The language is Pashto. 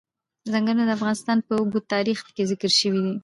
ځنګلونه د افغانستان په اوږده تاریخ کې ذکر شوی دی.